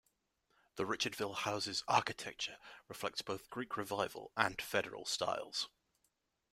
The Richardville Houses' architecture reflects both Greek Revival and Federal styles.